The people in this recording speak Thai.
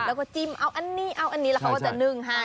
แล้วก็จิ้มเอาอันนี้เอาอันนี้แล้วเขาก็จะนึ่งให้